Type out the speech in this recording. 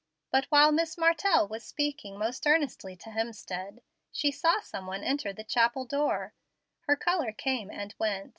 But while Miss Martell was speaking most earnestly to Hemstead, she saw some one enter the chapel door. Her color came and went.